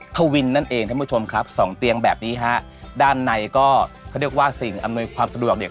ทวินนั่นเองท่านผู้ชมครับสองเตียงแบบนี้ฮะด้านในก็เขาเรียกว่าสิ่งอำนวยความสะดวกเนี่ย